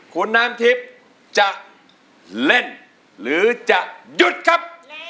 คุณน้ำทิพย์จะเล่นหรือจะหยุดครับ